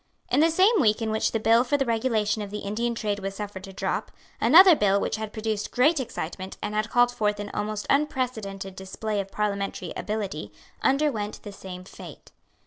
In the same week in which the bill for the regulation of the Indian trade was suffered to drop, another bill which had produced great excitement and had called forth an almost unprecedented display of parliamentary ability, underwent the same fate.